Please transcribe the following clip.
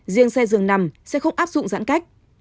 riêng xe dường nằm sẽ không áp dụng giãn cách